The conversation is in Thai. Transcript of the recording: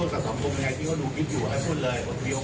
การว่าผมก็ที่ออกมีหรือว่าเอาเมื่อว่ามีที่ออก